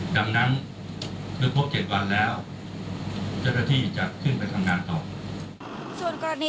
ดังนั้นเมื่อครบ๗วันแล้วเจ้าหน้าที่จะขึ้นไปทำงานต่อ